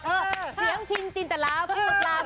เจ้าเสียงจินจินตราภูมิลาบ